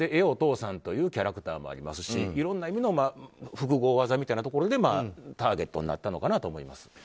お父さんというキャラクターもありますしいろんな意味の複合技みたいなところでターゲットになったのかなと思います。